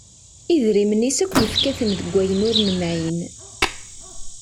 Idrimen-is akk yefka-ten deg ayen ur nemɛin.